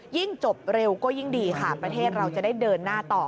จบเร็วก็ยิ่งดีค่ะประเทศเราจะได้เดินหน้าต่อ